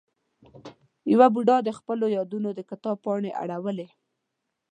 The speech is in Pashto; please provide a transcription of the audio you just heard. یوه بوډا د خپلو یادونو د کتاب پاڼې اړولې.